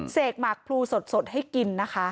เสกหมักพลูสดให้กินนะคะ